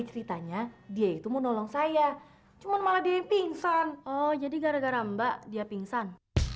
ceritanya dia itu mau nolong saya cuman malah dia yang pingsan oh jadi gara gara mbak dia pingsan